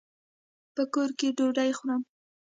په کور کي ډوډۍ خورم.